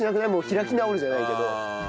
開き直るじゃないけど。